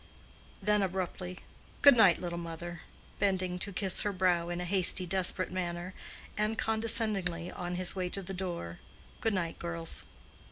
Then abruptly, "Good night, little mother," bending to kiss her brow in a hasty, desperate manner, and condescendingly, on his way to the door, "Good night, girls."